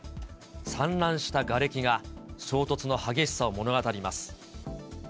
散乱したがれきが、衝突の激しさを物語ります。